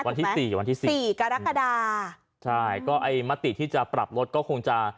วันที่สี่กับวันที่สี่สี่กรกฎาใช่ก็ไอ้มติที่จะปรับลดก็คงจะ